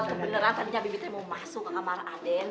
kebeneran tadinya bibitnya mau masuk ke kamar aden